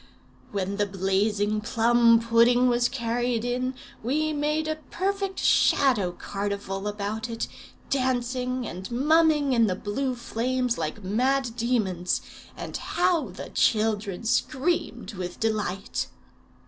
"When the blazing plum pudding was carried in we made a perfect shadow carnival about it, dancing and mumming in the blue flames, like mad demons. And how the children screamed with delight!